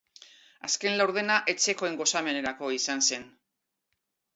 Azken laurdena etxekoen gozamenerako izan zen.